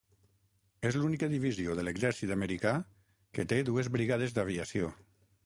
És l'única divisió de l'Exèrcit americà que té dues brigades d'aviació.